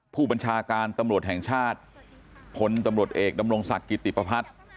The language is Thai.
ผู้บัญชาการตำรวจแห่งชาติพลตำรวจเอกดำรงศักดิ์กิติประพัฒน์